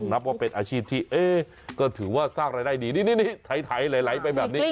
นับว่าเป็นอาชีพที่ก็ถือว่าสร้างรายได้ดีนี่ไถไหลไปแบบนี้